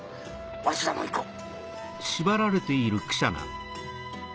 わしらも行こう。